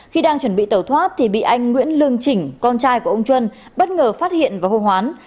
khi đang chuẩn bị tẩu thoát thì bị anh nguyễn lương chỉnh con trai của ông duân bất ngờ phát hiện và hô hoán